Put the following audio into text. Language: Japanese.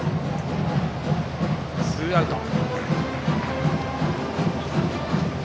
ツーアウト。